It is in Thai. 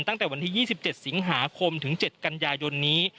ตั้งแต่วันที่๒๗สิงหาคมถึง๗กันยายนนี้